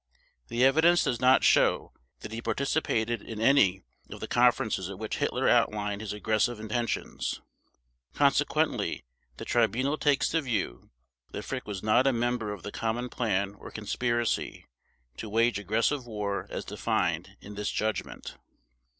The evidence does not show that he participated in any of the conferences at which Hitler outlined his aggressive intentions. Consequently the Tribunal takes the view, that Frick was not a member of the common plan or conspiracy to wage aggressive war as defined in this Judgment.